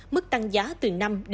mức tăng giá từ năm một mươi